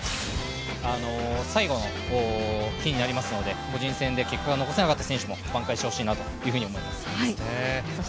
最後の日になりますので、個人戦で結果が残せなかった選手も挽回してほしいなと思います。